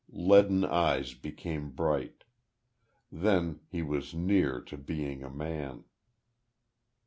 Leaden eyes became bright.... Then, he was near to being a man....